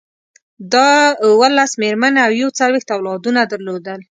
ده اوولس مېرمنې او یو څلویښت اولادونه درلودل.